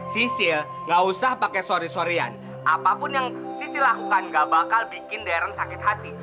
sisil gak usah pakai sorry sorry an apapun yang sisil lakukan gak bakal bikin darren sakit hati